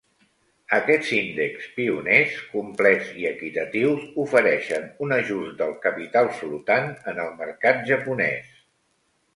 Aquests índex pioners, complets i equitatius, ofereixen un ajust del capital flotant en el mercat japonès.